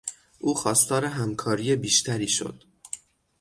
او خواستار همکاری بیشتری شد.